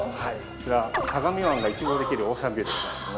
こちら相模湾が一望できるオーシャンビューでございます。